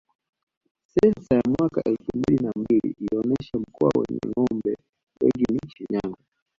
Sensa ya mwaka elfu mbili na mbili ilionesha mkoa wenye ngombe wengi ni Shinyanga